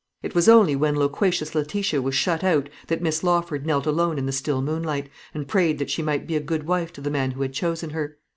It was only when loquacious Letitia was shut out that Miss Lawford knelt alone in the still moonlight, and prayed that she might be a good wife to the man who had chosen her.